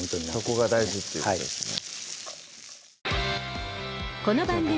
そこが大事ということですね